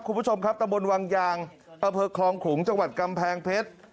คุณผู้ชมครับตะบนวังยางอำเภอคลองขลุงจังหวัดกำแพงเพชร